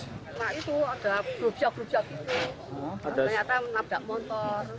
nah itu ada berujak berujak itu ternyata menabrak motor